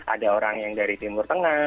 ada orang yang dari timur tengah